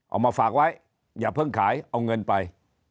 เอามาฝากไว้อย่าเพิ่งขายเอาเงินไป